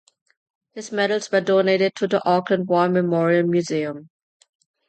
His medals were donated to the Auckland War Memorial Museum.